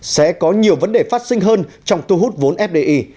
sẽ có nhiều vấn đề phát sinh hơn trong thu hút vốn fdi